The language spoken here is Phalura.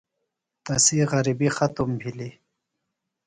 تسی غرِبیۡ ختم بِھلیۡ۔